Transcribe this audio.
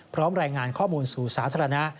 พร้อมรายงานข้อมูลสู่สาธารณะ